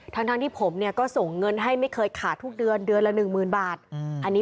ทั้งที่ผมก็ส่งเงินให้ไม่เคยขาดทุกเดือน